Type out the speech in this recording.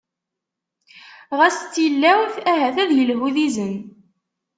Ɣas d tilawt, ahat ad yelhu d izen.